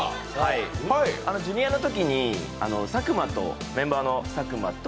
ジュニアのときにメンバーの佐久間と